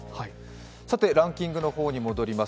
ランキングの方に戻ります。